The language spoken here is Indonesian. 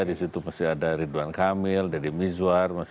di situ masih ada ridwan kamil deddy mizwar